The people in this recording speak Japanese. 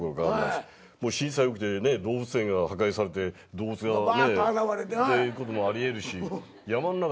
震災起きて動物園が破壊されて動物がっていうこともあり得るし山の中